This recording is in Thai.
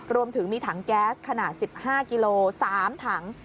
รวมถึงมีถังแก๊สขนาด๑๕กิโล๓ถัง